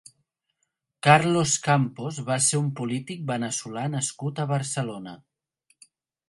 Carlos Campos va ser un polític veneçolà nascut a Barcelona.